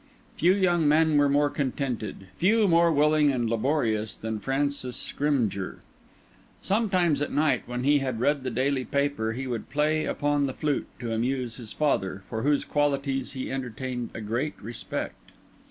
Few young men were more contented, few more willing and laborious than Francis Scrymgeour. Sometimes at night, when he had read the daily paper, he would play upon the flute to amuse his father, for whose qualities he entertained a great respect.